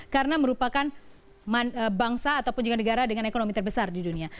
karena merupakan bangsa atau punjangan negara dengan ekonomi terbesar di dunia